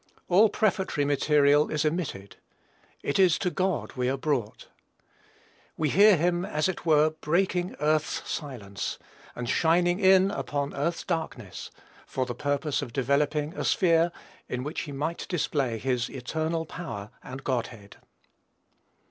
All prefatory matter is omitted. It is to God we are brought. We hear him, as it were, breaking earth's silence, and shining in upon earth's darkness, for the purpose of developing a sphere in which he might display his eternal power and Godhead.